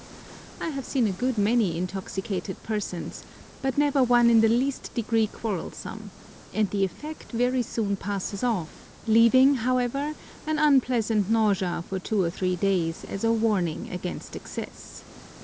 I have seen a good many intoxicated persons, but never one in the least degree quarrelsome; and the effect very soon passes off, leaving, however, an unpleasant nausea for two or three days as a warning against excess.